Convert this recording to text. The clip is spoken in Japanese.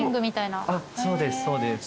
そうですそうです。